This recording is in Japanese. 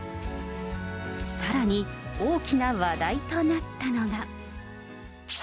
さらに、大きな話題となったのが。